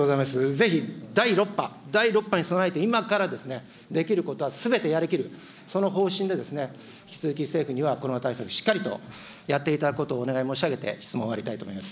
ぜひ第６波、第６波に備えて、今からですね、できることはすべてやりきる、その方針で引き続き、政府にはコロナ対策、しっかりとやっていただくことをお願い申し上げて質問を終わりたいと思います。